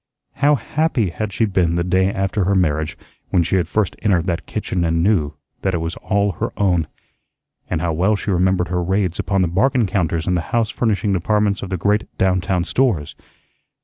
How happy had she been the day after her marriage when she had first entered that kitchen and knew that it was all her own! And how well she remembered her raids upon the bargain counters in the house furnishing departments of the great down town stores!